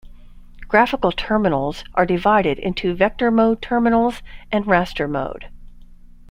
Graphical terminals are divided into vector-mode terminals, and raster mode.